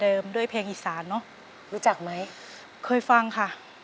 เปลี่ยนเพลงเก่งของคุณและข้ามผิดได้๑คำ